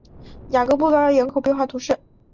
雅布龙河畔蒙布谢尔人口变化图示